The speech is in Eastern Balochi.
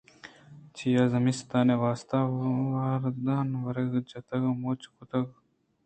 چیا زمستان ءِ واستہ وردن ءُ وراک چِتگ ءُ مُچ نہ کُتگ؟ کٹَگ ءَپسّہ دات من گوں شُما راستین ءَ بہ کناں